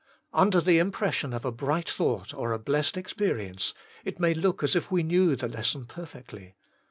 Under the impression of a bright thought, or a blessed ex perience, it may look as if we knew the lesson perfectly.